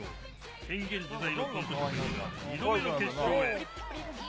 変幻自在のコント職人が２度目の決勝へ。